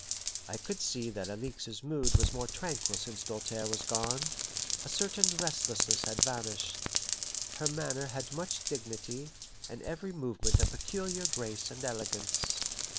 I could see that Alixe's mood was more tranquil since Doltaire was gone. A certain restlessness had vanished. Her manner had much dignity, and every movement a peculiar grace and elegance.